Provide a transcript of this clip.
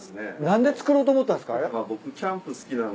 何で作ろうと思ったんですか？